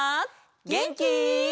げんき？